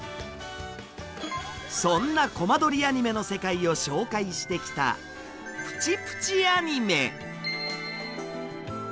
そんなコマ撮りアニメの世界を紹介してきた「プチプチ・アニメ」。